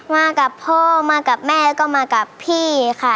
มากับพ่อมากับแม่แล้วก็มากับพี่ค่ะ